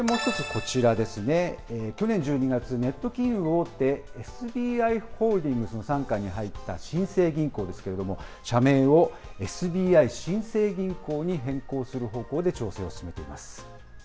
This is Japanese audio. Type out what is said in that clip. こちらですね、去年１２月、ネット金融大手、ＳＢＩホールディングスの傘下に入った新生銀行ですけれども、社名をＳＢＩ新生銀行に変更する方向で調整を進めています。